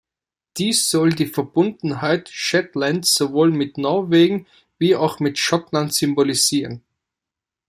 Dies soll die Verbundenheit Shetlands sowohl mit Norwegen wie auch mit Schottland symbolisieren.